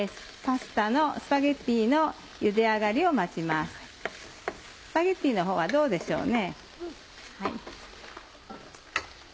スパゲティのほうはどうでしょうね。